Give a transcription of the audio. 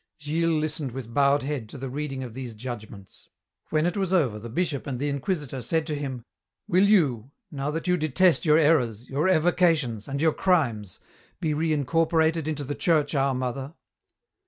Gilles listened with bowed head to the reading of these judgments. When it was over the Bishop and the Inquisitor said to him, "Will you, now that you detest your errors, your evocations, and your crimes, be reincorporated into the Church our Mother?"